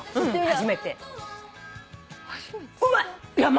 ・初めて？